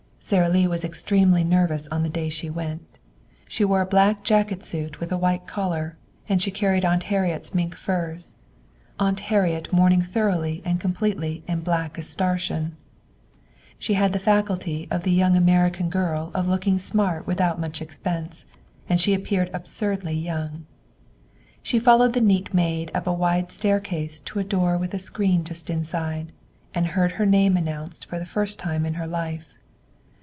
Sara Lee was extremely nervous on the day she went. She wore a black jacket suit with a white collar, and she carried Aunt Harriet's mink furs, Aunt Harriet mourning thoroughly and completely in black astrachan. She had the faculty of the young American girl of looking smart without much expense, and she appeared absurdly young. She followed the neat maid up a wide staircase to a door with a screen just inside, and heard her name announced for the first time in her life.